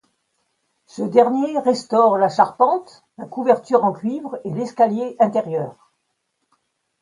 Ce dernier restaure la charpente, la couverture en cuivre et l'escalier intérieur.